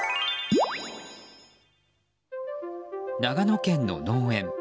長野県の農園。